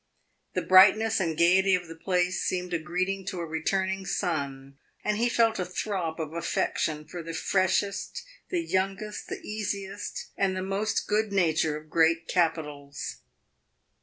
The brightness and gayety of the place seemed a greeting to a returning son, and he felt a throb of affection for the freshest, the youngest, the easiest and most good natured of great capitals.